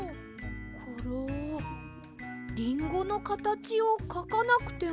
コロリンゴのかたちをかかなくてもいいんですね。